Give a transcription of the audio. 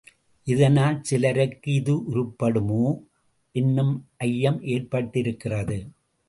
இதனால் சிலருக்கு இது உருப்படுமோ என்னும் ஐயம் ஏற்பட்டிருக்கிறது.